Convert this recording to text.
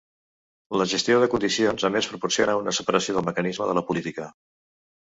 La gestió de condicions, a més, proporciona una separació del mecanisme de la política.